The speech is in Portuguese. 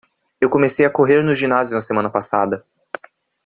Eu comecei a correr no ginásio na semana passada.